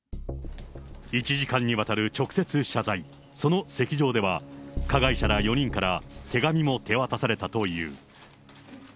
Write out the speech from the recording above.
１時間にわたる直接謝罪、その席上では、加害者ら４人から手紙も手渡されたという。